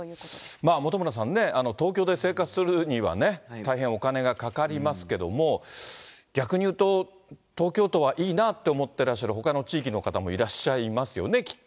まあ本村さんね、東京で生活するにはね、大変お金がかかりますけども、逆に言うと、東京都はいいなって思ってらっしゃるほかの地域の方もいらっしゃいますよね、きっと。